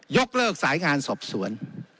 ยกเลิกสายงานสอบสวน